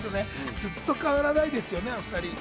ずっと変わらないですよね、お２人。